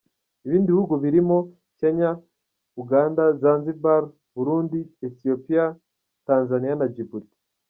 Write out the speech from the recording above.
Ibindi bihugu birimo; Kenya, Uganda, Zanzibar, Burundi, Ethiopia, Tanzania na Djibouti.